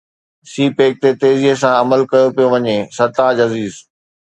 سي pack تي تيزي سان عمل ڪيو پيو وڃي: سرتاج عزيز